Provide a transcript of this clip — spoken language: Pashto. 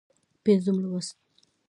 پينځم لوست